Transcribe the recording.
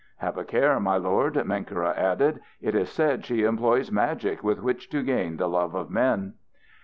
"Have a care, my lord," Menkera added. "It is said she employs magic with which to gain the love of men."